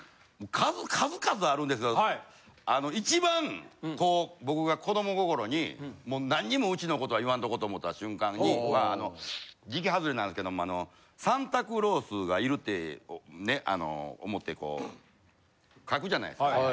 数々あるんですけどあの一番こう僕が子ども心にもう何もうちのことは言わんとこうと思った瞬間に時期外れなんですけどあのサンタクロースがいるってねあの思ってこう書くじゃないですか。